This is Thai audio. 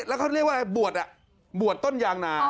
แล้วเขาเรียกว่าอะไรบวชบวชต้นยางนา